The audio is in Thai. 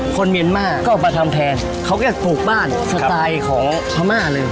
เมียนมาร์ก็เอามาทำแทนเขาก็ปลูกบ้านสไตล์ของพม่าเลย